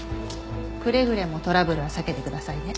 くれぐれもトラブルは避けてくださいね。